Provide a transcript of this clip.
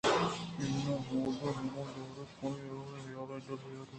اناں حُدانگاہ دارایت کہ من اے وڑیں حیالے دل ءَ بیاراں